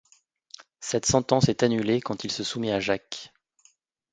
Cette sentence est annulée quand il se soumet à Jacques.